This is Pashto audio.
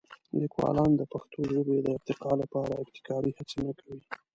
لیکوالان د پښتو ژبې د ارتقا لپاره ابتکاري هڅې نه کوي.